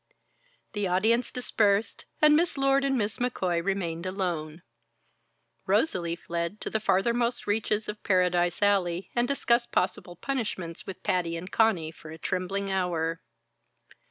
The audience dispersed, and Miss Lord and Miss McCoy remained alone. Rosalie fled to the farthermost reaches of Paradise Alley and discussed possible punishments with Patty and Conny for a trembling hour.